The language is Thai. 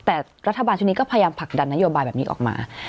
แต่รัฐบาลชุดนี้ก็พยายามผลักดันนโยบายแบบนี้ออกมา